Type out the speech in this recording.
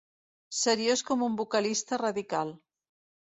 Seriós com un vocalista radical.